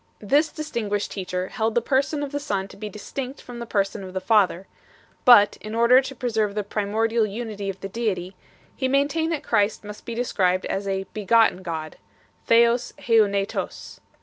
This distinguished teacher held the Person of the Son to be distinct from the Person of the Father, but, in order to preserve the primordial unity of the Deity, he maintained that Christ must be described as a " begotten God" (0eo5 76^777 09).